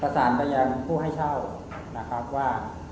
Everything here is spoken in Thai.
ถ้าสารจำน็อกผู้ให้เช่า